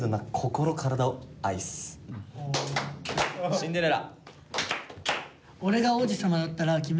シンデレラ。